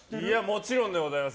もちろんでございます。